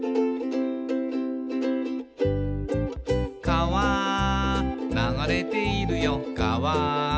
「かわ流れているよかわ」